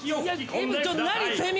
何？